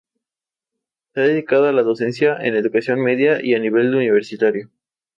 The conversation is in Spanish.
Se ha dedicado a la docencia en educación media y a nivel universitario.